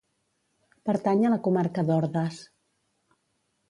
Pertany a la comarca d'Ordes.